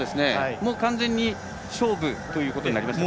完全に勝負ということになりますか？